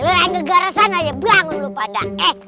jangan lagi ke garasan aja bangun lo pada